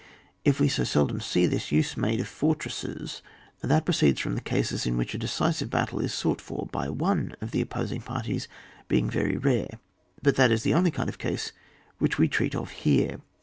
If we so seldom see this use made of fortresses, that proceeds from the cases in which a decisive battle is sought for by one of the opposing parties being very rare. But that is the only kind of case which we treat of here.